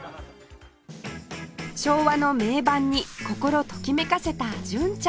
昭和の名盤に心ときめかせた純ちゃん